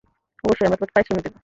অবশ্যই, আমরা তোমাকে পারিশ্রমিক দিব।